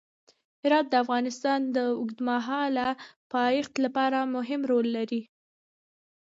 هرات د افغانستان د اوږدمهاله پایښت لپاره مهم رول لري.